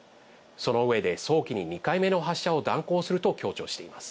その上で早期に２回目の発射を断行すると強調しています。